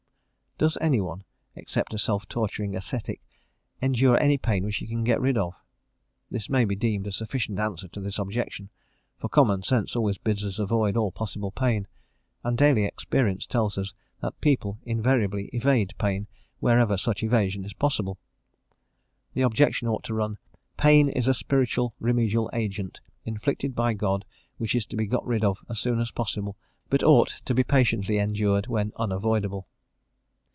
_ Does anyone, except a self torturing ascetic, endure any pain which he can get rid of? This might be deemed a sufficient answer to this objection, for common sense always bids us avoid all possible pain, and daily experience tells us that people invariably evade pain, wherever such evasion is possible. The objection ought to run: "pain is a spiritual remedial agent, inflicted by God, which is to be got rid of as soon as possible, but ought to be patiently endured when unavoidable."